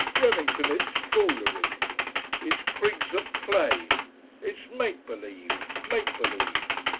Remington! it's foolery. It's prigs at play. It's make believe, make believe!